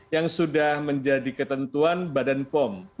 yang sudah menjadi ketentuan badan pom